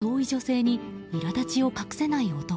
耳が遠い女性にいらだちを隠せない男。